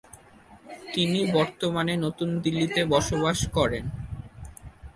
তিনি বর্তমানে নতুন দিল্লিতে বসবাস করেন।